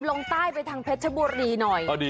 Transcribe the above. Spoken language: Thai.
ลงใต้ไปทางเพชรบุรีหน่อย